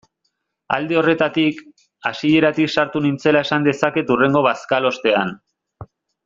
Alde horretatik, hasieratik sartu nintzela esan dezaket hurrengo bazkalostean.